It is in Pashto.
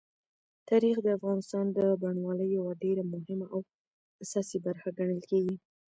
تاریخ د افغانستان د بڼوالۍ یوه ډېره مهمه او اساسي برخه ګڼل کېږي.